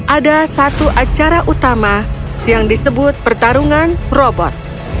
ada satu acara utama yang disebut pertarungan robot